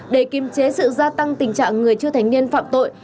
để kiềm chế sự gia tăng tình trạng người chưa thành niên phạm tội